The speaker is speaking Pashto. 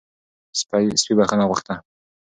سپي بښنه غوښته